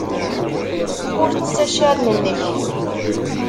Ur ttett accaren-nnek.